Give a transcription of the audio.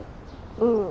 うん。